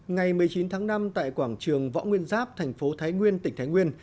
ngày một mươi chín tháng năm tại quảng trường võ nguyên giáp thành phố thái nguyên tỉnh thái nguyên